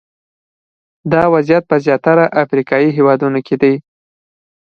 دا وضعیت په زیاتره افریقایي هېوادونو کې دی.